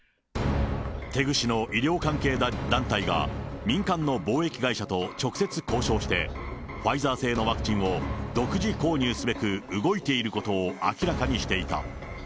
テグ市の医療関係団体が、民間の貿易会社と直接交渉して、ファイザー製のワクチンを独自購入すべく動いていることを明らかにしていた。